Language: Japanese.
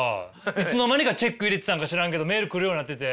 いつの間にかチェック入れてたんか知らんけどメール来るようになってて。